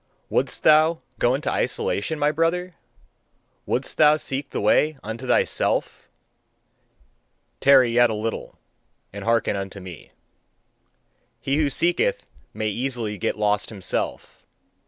Wouldst thou go into isolation, my brother? Wouldst thou seek the way unto thyself? Tarry yet a little and hearken unto me. "He who seeketh may easily get lost himself.